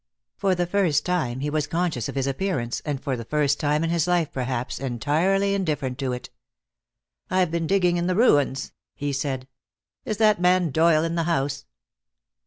For the first time he was conscious of his appearance, and for the first time in his life perhaps, entirely indifferent to it. "I've been digging in the ruins," he said. "Is that man Doyle in the house?"